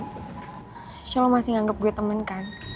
michelle lo masih anggap gue temen kan